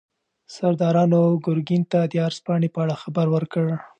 سردارانو ګورګین ته د عرض پاڼې په اړه خبر ورکړ.